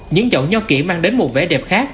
những chậu nho kỹ mang đến một vẻ đẹp khác